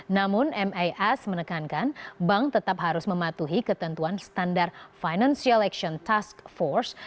namun mas menekankan bank tetap harus mematuhi ketentuan standar financial action task force